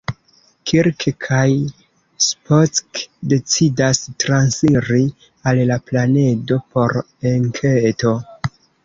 Kirk kaj Spock decidas transiri al la planedo por enketo.